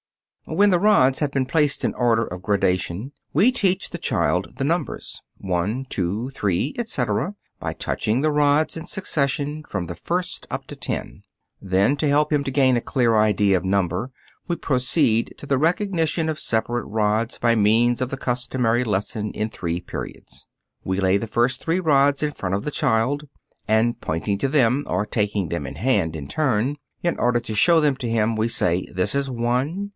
When the rods have been placed in order of gradation, we teach the child the numbers: one, two, three, etc., by touching the rods in succession, from the first up to ten. Then, to help him to gain a clear idea of number, we proceed to the recognition of separate rods by means of the customary lesson in three periods. We lay the three first rods in front of the child, and pointing to them or taking them in the hand in turn, in order to show them to him we say: "This is one."